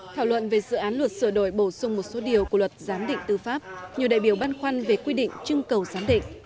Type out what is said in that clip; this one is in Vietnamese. thảo luận về dự án luật sửa đổi bổ sung một số điều của luật giám định tư pháp nhiều đại biểu băn khoăn về quy định chưng cầu giám định